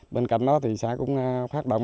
bên cạnh đó thì xã cũng phát động